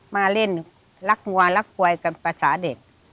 มาเล่นรักเหนื่อยรักฺวยกับภาษาเด็ก